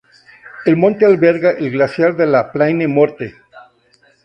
El monte alberga el glaciar de la Plaine Morte.